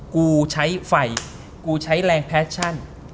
กูใช้ไฟกูใช้แรงแฟชั่น